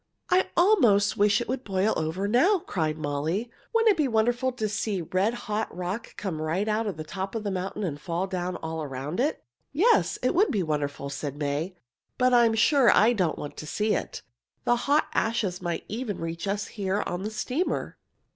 "I almost wish it would boil over now!" cried Molly. "Wouldn't it be wonderful to see red hot rock come right out of the top of the mountain and fall down all around it!" "Yes, it would be wonderful," said May, "but I am sure I don't want to see it. The hot ashes might even reach us here on the steamer."